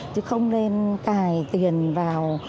chứ không nên cài tiền vào